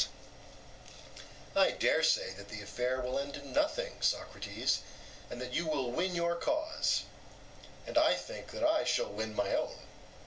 EUTHYPHRO: I dare say that the affair will end in nothing, Socrates, and that you will win your cause; and I think that I shall win my own.